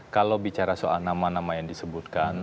kalau bicara soal nama nama yang disebutkan